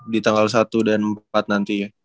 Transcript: di tanggal satu dan empat nanti ya